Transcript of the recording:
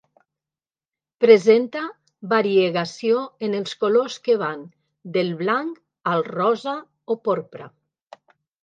Presenta variegació en els colors que van del blanc al rosa o porpra.